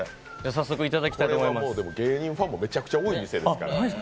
ここは芸人ファンもめちゃくちゃ多い店ですから。